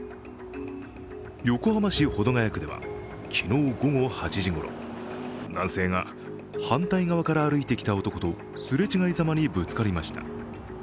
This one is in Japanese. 横浜市保土ケ谷区では昨日午後８時ごろ、男性が反対側から歩いてきた男とすり違いざまにぶつかりました。